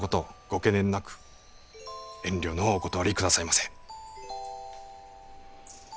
ご懸念なく遠慮のうお断り下さいませ。